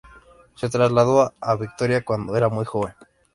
Se trasladó a Vitoria cuando era muy joven.